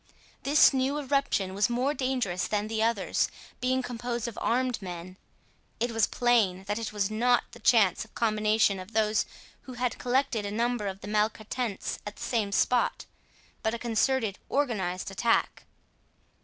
This new eruption was more dangerous than the others, being composed of armed men. It was plain that it was not the chance combination of those who had collected a number of the malcontents at the same spot, but a concerted organized attack.